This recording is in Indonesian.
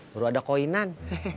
baru ada koinan